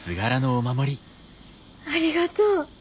ありがとう。